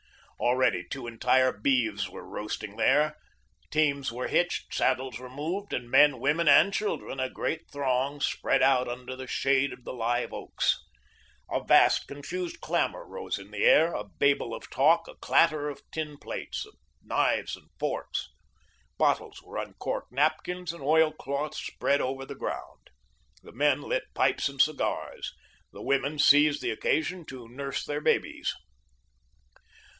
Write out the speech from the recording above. Already two entire beeves were roasting there; teams were hitched, saddles removed, and men, women, and children, a great throng, spread out under the shade of the live oaks. A vast confused clamour rose in the air, a babel of talk, a clatter of tin plates, of knives and forks. Bottles were uncorked, napkins and oil cloths spread over the ground. The men lit pipes and cigars, the women seized the occasion to nurse their babies.